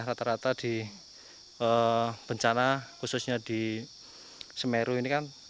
rata rata di bencana khususnya di semeru ini kan